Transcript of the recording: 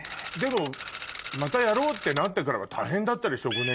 でもまたやろうってなってからは大変だったでしょ？